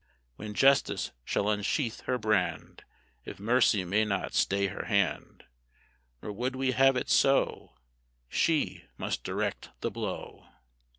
(When Justice shall unsheathe her brand, If Mercy may not stay her hand, Nor would we have it so, She must direct the blow.)